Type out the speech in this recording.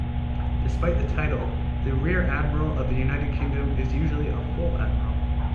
Despite the title, the Rear-Admiral of the United Kingdom is usually a full admiral.